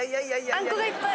あんこがいっぱい。